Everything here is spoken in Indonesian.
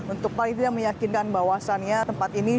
untuk paling tidak meyakinkan bahwasannya tempat ini